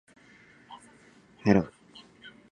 hello